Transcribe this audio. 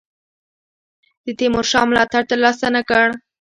د تیمورشاه ملاتړ تر لاسه نه کړ.